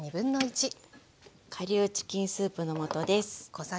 顆粒チキンスープの素です。